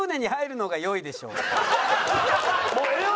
もうええわ！